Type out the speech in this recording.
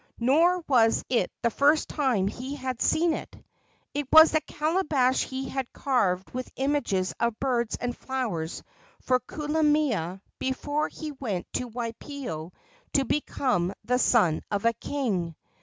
Nor was it the first time that he had seen it. It was the calabash he had carved with images of birds and flowers for Kulamea before he went to Waipio to become the son of a king.